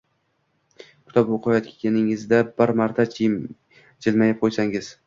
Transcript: kitob o’qiyotganingizda bir marta jilmayib qo’ysangiz